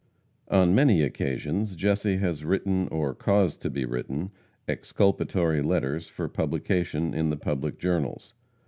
On many occasions Jesse has written, or caused to be written, exculpatory letters for publication in the public journals.